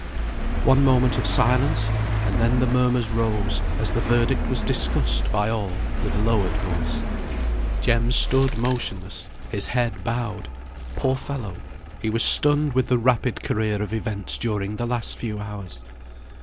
One moment of silence, and then the murmurs rose, as the verdict was discussed by all with lowered voice. Jem stood motionless, his head bowed; poor fellow, he was stunned with the rapid career of events during the last few hours.